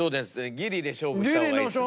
ギリで勝負した方がいいですね。